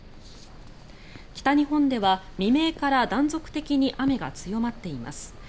北日本では未明から断続的に雨が強まっています。